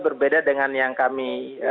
berbeda dengan yang kami